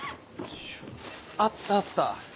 あったあった。